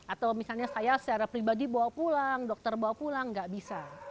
atau misalnya saya secara pribadi bawa pulang dokter bawa pulang nggak bisa